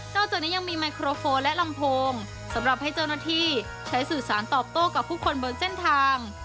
จากนี้ยังมีไมโครโฟนและลำโพงสำหรับให้เจ้าหน้าที่ใช้สื่อสารตอบโต้กับผู้คนบนเส้นทาง